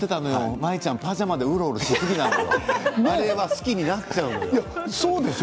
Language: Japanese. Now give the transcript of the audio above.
舞ちゃんパジャマで、うろうろしすぎなのよ、あれは好きにそうでしょ？